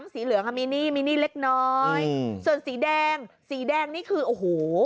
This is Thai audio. สีเหลืองอ่ะมีหนี้มีหนี้เล็กน้อยส่วนสีแดงสีแดงนี่คือโอ้โห